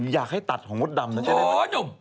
อยากให้ตัดของมดดำนะจ๊ะหนุ่ม